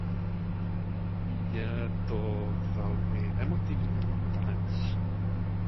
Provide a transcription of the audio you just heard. Je to velmi emotivní tanec.